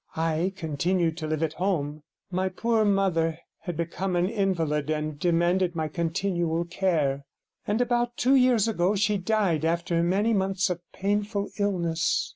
I continued to live at home: my poor mother had become an invalid, and demanded my continual care, and about two years ago she died after many months of painful illness.